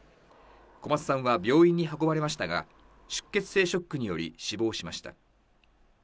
小松さんは病院に運ばれましたが、出血性ショックにより死亡しました。